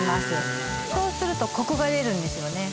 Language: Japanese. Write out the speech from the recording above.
へえっそうするとコクが出るんですよね